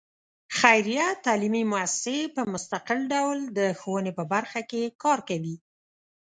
خیریه تعلیمي مؤسسې په مستقل ډول د ښوونې په برخه کې کار کوي.